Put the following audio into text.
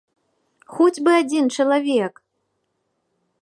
Хоць бы адзін чалавек!